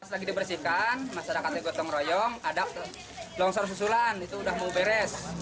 lagi dibersihkan masyarakatnya gotong royong ada longsor susulan itu udah mau beres